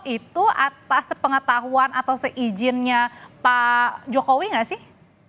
itu atas pengetahuan atau seizinnya pak jokowi nggak sih